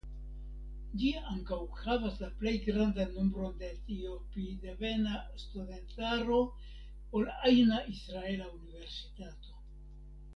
Ĝi ankaŭ havas la plej grandan nombron de etiopidevena studentaro ol ajna israela universitato.